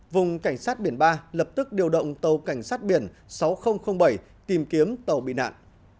vùng cảnh sát biển ba lập tức điều động tàu cảnh sát biển sáu nghìn bảy tìm kiếm tàu bị nạn